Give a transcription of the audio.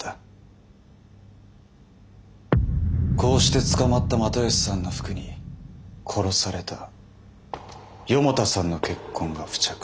こうして捕まった又吉さんの服に殺された四方田さんの血痕が付着した。